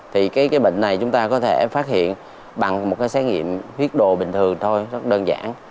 thì cái bệnh này chúng ta có thể phát hiện bằng một cái xét nghiệm huyết đồ bình thường thôi rất đơn giản